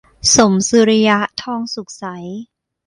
สมสุริยะ ทองสุกใส